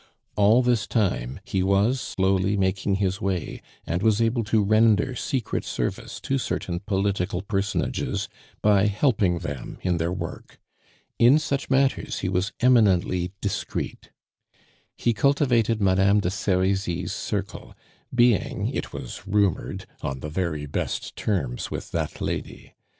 All this time he was slowly making his way, and was able to render secret service to certain political personages by helping them in their work. In such matters he was eminently discreet. He cultivated Madame de Serizy's circle, being, it was rumored, on the very best terms with that lady.